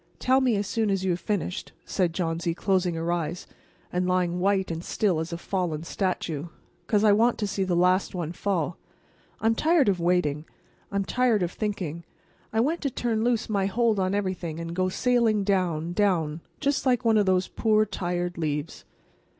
"Tell me as soon as you have finished," said Johnsy, closing her eyes, and lying white and still as a fallen statue, "because I want to see the last one fall. I'm tired of waiting. I'm tired of thinking. I want to turn loose my hold on everything, and go sailing down, down, just like one of those poor, tired leaves."